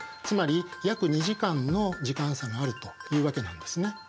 つまり約２時間の時間差があるというわけなんですね。